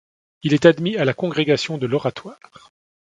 Il est admis à la Congrégation de l'Oratoire.